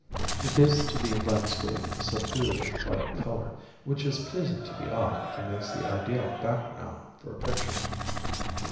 It gives to the landscape a subdued and quiet color, which is pleasing to the eye and makes the ideal background in a picture.